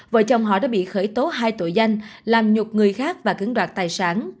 vợ chồng họ đã bị khởi tố hai tội danh làm nhục người khác và cứng đoạt tài sản